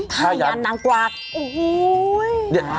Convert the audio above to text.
ผ้ายันนางกวาก